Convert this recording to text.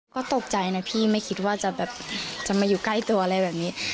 ก็ตกใจนะพี่ไม่คิดว่าจะแบบจะมาอยู่ใกล้ตัวอะไรแบบนี้